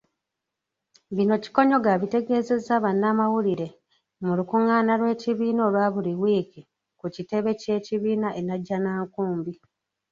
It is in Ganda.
Bino Kikonyogo abitegeezezza bannamawulire mu lukung'ana lw'ekibiina olwabuli wiiki ku kitebe ky'ekibiina e Najjanankumbi.